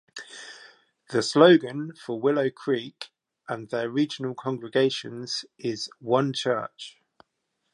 The slogan for Willow Creek and their regional congregations is One Church.